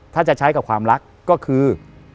ถ้าจะใช้กับความรักก็คือ